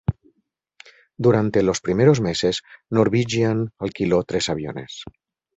Durante los primeros meses, Norwegian alquiló tres aviones.